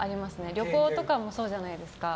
旅行とかもそうじゃないですか。